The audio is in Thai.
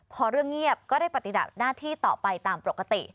พอเรื่องเงียบก็ได้ปฏิบัติหน้าที่ต่อไปตามปกติ